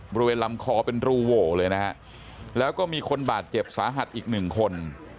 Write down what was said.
บริเวณลำคอเป็นรูโหวเลยนะฮะแล้วก็มีคนบาดเจ็บสาหัสอีกหนึ่งคน